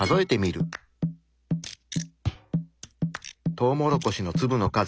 トウモロコシの粒の数。